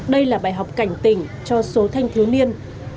đây là bài học cảnh tỉnh cho số thanh thiếu niên